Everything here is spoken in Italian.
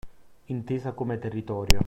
Intesa come territorio